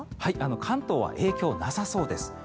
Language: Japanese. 関東は影響なさそうです。